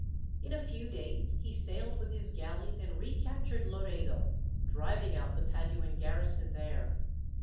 In a few days, he sailed with his galleys and recaptured Loredo, driving out the Paduan garrison there.